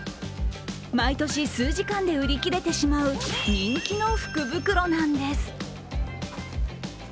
毎年、数時間で売り切れてしまう人気の福袋なんです。